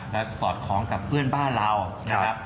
และสอดคล้องกับเพื่อนบ้านเรานะครับ